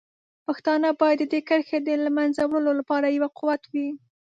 پښتانه باید د دې کرښې د له منځه وړلو لپاره یو قوت وي.